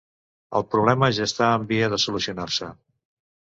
El problema ja està en via de solucionar-se.